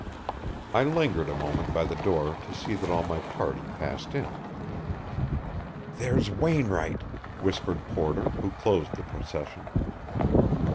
I lingered a moment by the door to see that all my party passed in. "There's Wainwright," whispered Porter, who closed the procession.